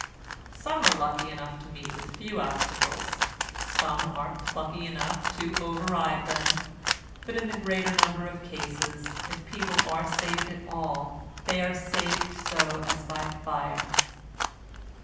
Some are lucky enough to meet with few obstacles, some are plucky enough to over ride them, but in the greater number of cases, if people are saved at all they are saved so as by fire.